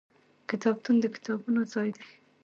کتابتون د کتابونو ځای دی.